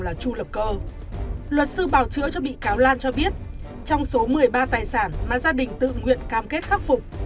luật sư bảo chữa cho bị cáo lan cho biết trong số một mươi ba tài sản mà gia đình tự nguyện cam kết khắc phục